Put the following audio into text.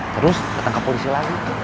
terus dateng ke polisi lagi